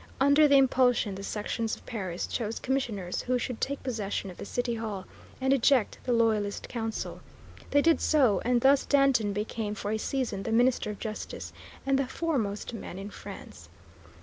Under their impulsion the sections of Paris chose commissioners who should take possession of the City Hall and eject the loyalist Council. They did so, and thus Danton became for a season the Minister of Justice and the foremost man in France.